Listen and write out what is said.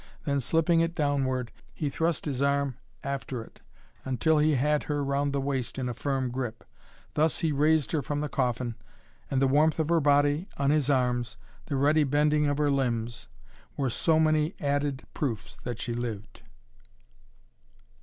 Then, slipping it downward, he thrust his arm after it, until he had her round the waist in a firm grip. Thus he raised her from the coffin, and the warmth of her body on his arms, the ready bending of her limbs, were so many added proofs that she lived.